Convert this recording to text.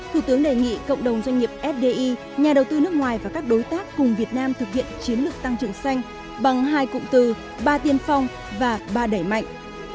thủ tướng đề nghị cộng đồng doanh nghiệp fdi nhà đầu tư nước ngoài và các đối tác cùng việt nam thực hiện chiến lược tăng trưởng xanh bằng hai cụm từ ba tiên phong và ba đẩy mạnh